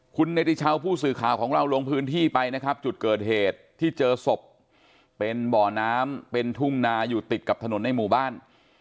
คุณเนติชาวผู้สื่อข่าวของเราลงพื้นที่ไปนะครับจุดเกิดเหตุที่เจอศพเป็นบ่อน้ำเป็นทุ่งนาอยู่ติดกับถนนในหมู่บ้าน